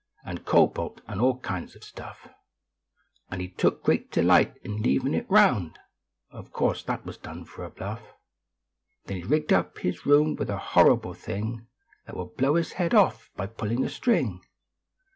Xd cobalt nd all kinds of stuff Nd he took great delight in leaving it round Of course that was done for a bluff Then he rigged up his room with a horrible thing, That would blow his head off by pullin a string.